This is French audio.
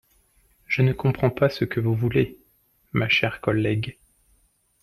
Je ne comprends pas ce que vous voulez, ma chère collègue.